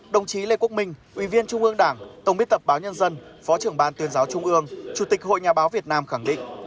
đồng chí lê quốc minh ủy viên trung ương đảng tổng biên tập báo nhân dân phó trưởng ban tuyên giáo trung ương chủ tịch hội nhà báo việt nam khẳng định